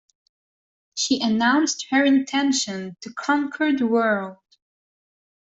She announced her intention to conquer the world